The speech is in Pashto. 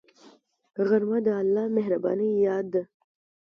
غرمه د الله مهربانۍ یاد ده